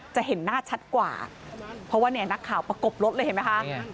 จะเห็นหน้าชัดกว่าเพราะว่าเนี่ยนักข่าวประกบรถเลยเห็นไหมคะ